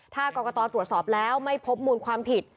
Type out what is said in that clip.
ถ้ากรกตตรวจสอบแล้วไม่พบมูลความผิด